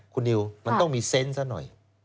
คุณนิวมันต้องมีเซนต์ซะหน่อย